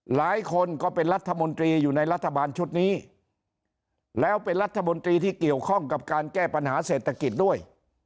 หลายคนก็เป็นรัฐมนตรีอยู่ในรัฐบาลชุดนี้แล้วเป็นรัฐมนตรีที่เกี่ยวข้องกับการแก้ปัญหาเศรษฐกิจด้วย